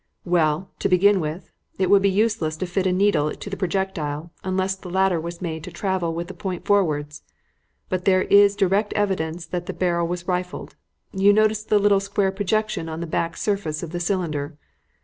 "Well, to begin with, it would be useless to fit a needle to the projectile unless the latter was made to travel with the point forwards; but there is direct evidence that the barrel was rifled. You notice the little square projection on the back surface of the cylinder.